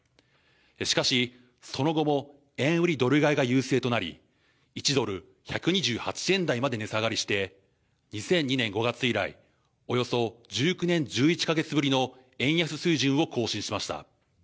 しかし、その後も円売りドル買いが優勢となり１ドル１２８円台まで値下がりして２００２年５月以来、およそ１９年１１か月ぶりの円安水準を更新しました。